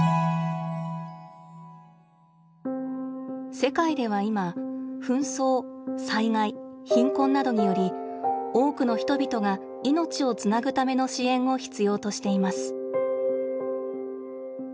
世界ではいま紛争災害貧困などにより多くの人々が命をつなぐための支援を必要としています。